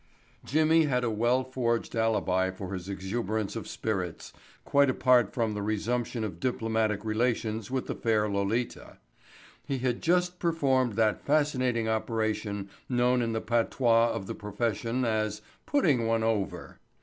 Jimmy had a well forged alibi for his exuberance of spirits, quite apart from the resumption of diplomatic relations with the fair Lolita. He had just performed that fascinating operation known in the patois of the profession as "putting one over."